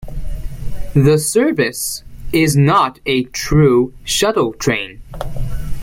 The service is not a true shuttle train.